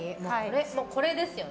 もうこれですよね。